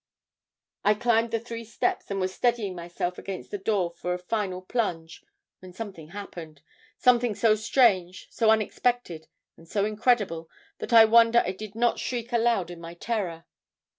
I climbed the three steps and was steadying myself against the door for a final plunge, when something happened something so strange, so unexpected, and so incredible that I wonder I did not shriek aloud in my terror.